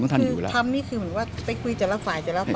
คือทำนี้คือเหมือนว่าไปคุยแต่ละฝ่าย